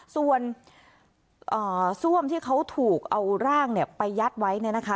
ส่วนซ่วมที่เขาถูกเอาร่างเนี่ยไปยัดไว้เนี่ยนะคะ